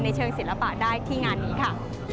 เชิงศิลปะได้ที่งานนี้ค่ะ